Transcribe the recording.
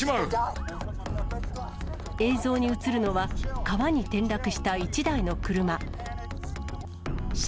映像に写るのは、川に転落した１台の車。